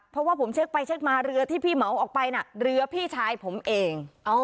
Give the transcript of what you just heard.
เพราะว่าผมเช็คไปเช็คมาเรือที่พี่เหมาออกไปน่ะเรือพี่ชายผมเอง